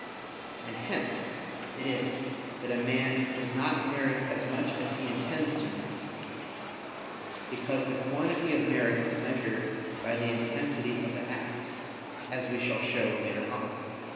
And hence it is that a man does not merit as much as he intends to merit: because the quantity of merit is measured by the intensity of the act, as we shall show later on (Q.